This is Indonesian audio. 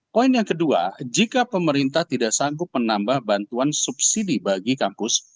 poin yang kedua jika pemerintah tidak sanggup menambah bantuan subsidi bagi kampus